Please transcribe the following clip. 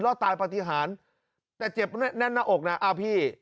รอดตายปฏิหารแต่เจ็บแน่นแน่นหน้าอกน่ะอ่ะพี่